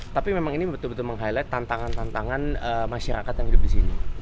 tapi memang ini betul betul meng highlight tantangan tantangan masyarakat yang hidup di sini